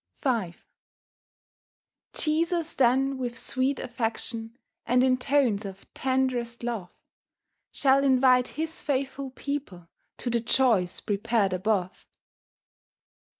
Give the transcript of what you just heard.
V Jesus then with sweet affection, And in tones of tenderest love, Shall invite His faithful people To the joys prepared above.